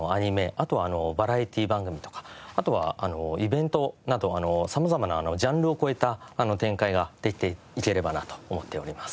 あとバラエティー番組とかあとはイベントなど様々なジャンルを超えた展開ができていければなと思っております。